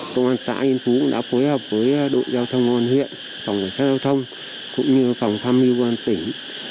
công an xã yên phú đã phối hợp với đội giao thông ngôn huyện phòng giải sát giao thông cũng như phòng tham lưu quan tỉnh